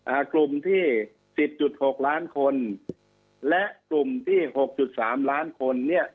อ่ากลุ่มที่สิบจุดหกล้านคนและกลุ่มที่หกจุดสามล้านคนเนี้ย